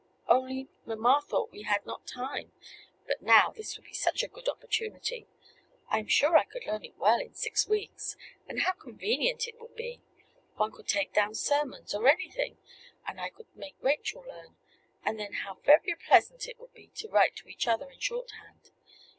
Only, mamma thought we had not time. But now, this would be such a good opportunity. I am sure I could learn it well in six weeks; and how convenient it would be! One could take down sermons, or anything; and I could make Rachel learn, and then how very pleasant it would be to write to each other in shorthand!